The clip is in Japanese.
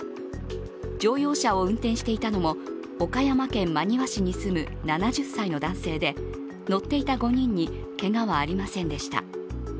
乗用車を運転していたのも岡山県真庭市に住む７０歳の男性で乗っていた５人にけがはありませんでした。